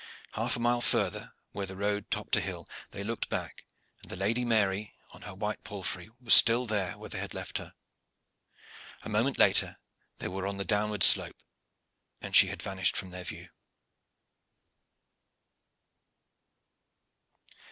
Half a mile further, where the road topped a hill, they looked back, and the Lady Mary on her white palfrey was still where they had left her. A moment later they were on the downward slope, and she had vanished from their view.